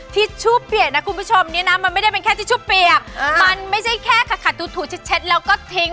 ทิชชู่เปียกนะคุณผู้ชมเนี่ยนะมันไม่ได้เป็นแค่ทิชชู่เปียกมันไม่ใช่แค่ขัดถูเช็ดแล้วก็ทิ้ง